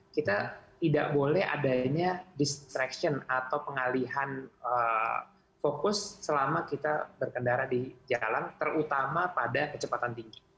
kita tidak boleh adanya distraction atau pengalihan fokus selama kita berkendara di jalan terutama pada kecepatan tinggi